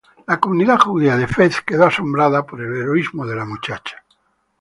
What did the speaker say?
La comunidad judía de Fez quedó asombrada por el heroísmo de la muchacha.